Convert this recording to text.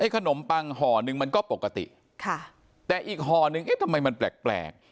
ขนมปังห่อหนึ่งมันก็ปกติค่ะแต่อีกห่อหนึ่งเอ๊ะทำไมมันแปลก